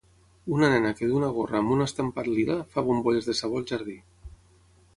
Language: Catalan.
Una nena que duu una gorra amb un estampat lila, fa bombolles de sabó al jardí.